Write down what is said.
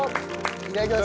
いただきます。